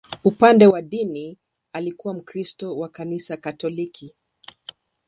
Upande wa dini, alikuwa Mkristo wa Kanisa Katoliki.